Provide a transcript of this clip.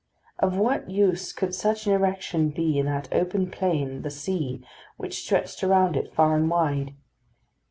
Of what use could such an erection be in that open plain, the sea, which stretched around it far and wide?